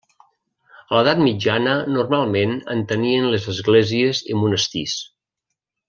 A l'Edat mitjana normalment en tenien les esglésies i monestirs.